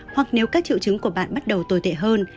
hoặc nếu các triệu chứng của bạn bắt đầu tồi tệ hơn